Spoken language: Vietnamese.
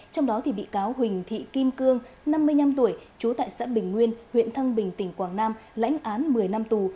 trong đó bị cáo huỳnh thị kim cương năm mươi năm tuổi trú tại xã bình nguyên huyện thăng bình tỉnh quảng nam lãnh án một mươi năm tù